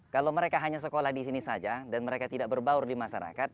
kalau mereka hanya sekolah di sini saja dan mereka tidak berbaur di masyarakat